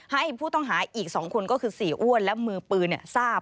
ให้ผู้ต้องหาอีก๒คนก็คือเสียอ้วนและมือปืนทราบ